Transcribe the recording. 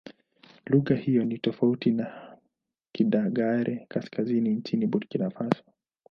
Lugha hiyo ni tofauti na Kidagaare-Kaskazini nchini Burkina Faso.